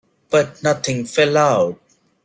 But nothing fell out.